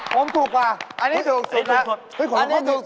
ผมถูกกว่าอันนี้ถูกนะแล้วเห้ยขอลองความดู